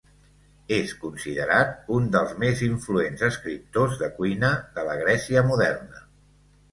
És considerat un dels més influents escriptors de cuina de la Grècia moderna.